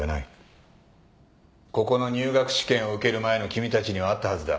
ここの入学試験を受ける前の君たちにはあったはずだ。